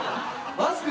マスクを？